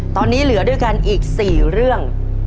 ตอนนี้เหลือด้วยกันอีก๔เรื่อง